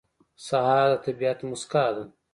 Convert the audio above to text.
سهار د طبیعت موسکا ده.